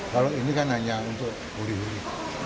kalau ini kan hanya untuk huri huri